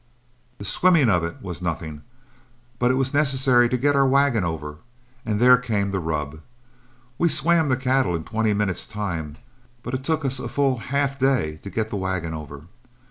The swimming of it was nothing, but it was necessary to get our wagon over, and there came the rub. We swam the cattle in twenty minutes' time, but it took us a full half day to get the wagon over.